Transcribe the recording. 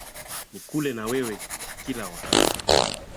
Nikule na wewe kila wakati